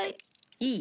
いい？